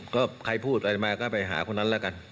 ก็ใครพูดอะไรมาก็ไปหาคนนั้นแล้วกัน